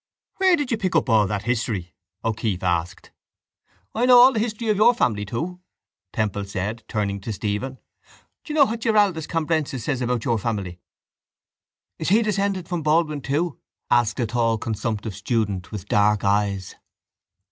—Where did you pick up all that history? O'Keeffe asked. —I know all the history of your family, too, Temple said, turning to Stephen. Do you know what Giraldus Cambrensis says about your family? —Is he descended from Baldwin too? asked a tall consumptive student with dark eyes.